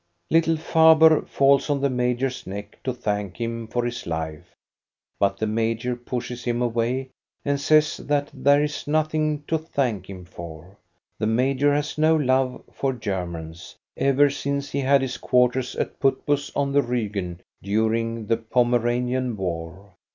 Little Faber falls on the major's neck to thank him for his life, but the major pushes him away, and says that there is nothing to thank him for. The major has no love for Germans, ever since he had his quarters at Putbus on the Riigen during the Pome ranian war.